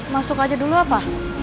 masuk aja dulu apa